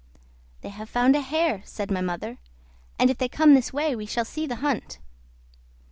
"They have found a hare," said my mother, "and if they come this way we shall see the hunt."